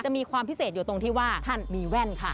มีความพิเศษอยู่ตรงที่ว่าท่านมีแว่นค่ะ